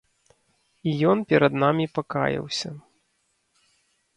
І ён перад намі пакаяўся.